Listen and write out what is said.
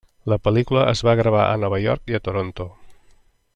La pel·lícula es va gravar a Nova York i a Toronto.